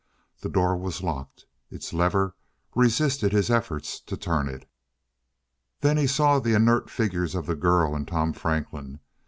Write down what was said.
The door was locked; its lever resisted his efforts to turn it. There he saw the inert figures of the girl, and Tom Franklin.